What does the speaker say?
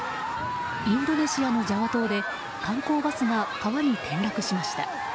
インドネシアのジャワ島で観光バスが川に転落しました。